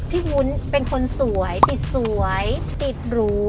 วุ้นเป็นคนสวยติดสวยติดหรู